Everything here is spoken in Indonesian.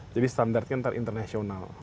jadi standartnya nanti internasional